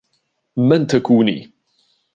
من تكونيِِ؟